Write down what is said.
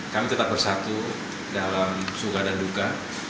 kami tetap bersatu dalam suka dan duka